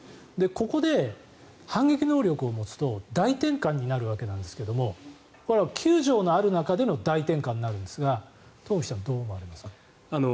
ここで反撃能力を持つと大転換になるわけですけどこれは９条のある中での大転換になるんですがトンフィさんどう思われますか？